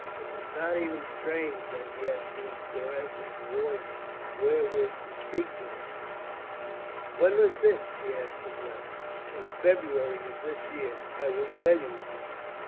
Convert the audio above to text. It was not even strange that he had used Durrance's voice wherewith to speak to her. "When was this?" she asked at length. "In February of this year. I will tell you about it."